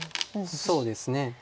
そうですね。